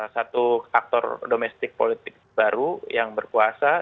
satu aktor domestik politik baru yang berkuasa